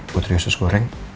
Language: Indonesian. putri khusus goreng